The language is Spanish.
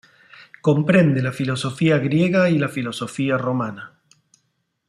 Comprende la filosofía griega y la filosofía romana.